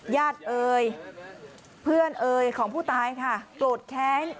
ญาติเอ่ยเพื่อนเอ่ยของผู้ตายค่ะโกรธแค้น